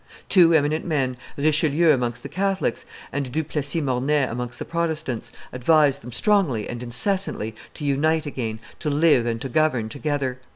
Two eminent men, Richelieu amongst the Catholics and Du Plessis Mornay amongst the Protestants, advised them strongly and incessantly to unite again, to live and to govern together.